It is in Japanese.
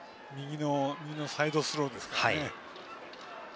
右のサイドスローですね。